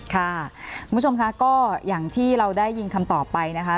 คุณผู้ชมค่ะก็อย่างที่เราได้ยินคำตอบไปนะคะ